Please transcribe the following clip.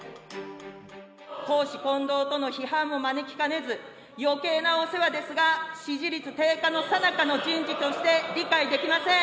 公私混同との批判も招きかねず、よけいなお世話ですが、支持率低下のさなかの人事として、理解できません。